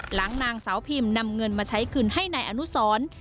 หลังนางสาวพิมนำเงินมาใช้คืนให้นายอนุสร